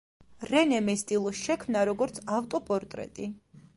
რენემ ეს ტილო შექმნა როგორც ავტოპორტრეტი.